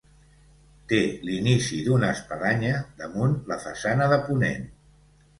Té l'inici d'una espadanya damunt la façana de ponent.